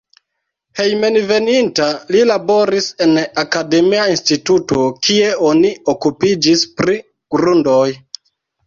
Hejmenveninta li laboris en akademia instituto, kie oni okupiĝis pri grundoj.